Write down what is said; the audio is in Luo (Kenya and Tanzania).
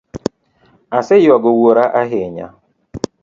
Aseyuago wuora ahinya